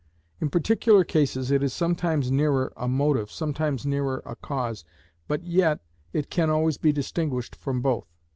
In particular cases it is sometimes nearer a motive, sometimes nearer a cause, but yet it can always be distinguished from both.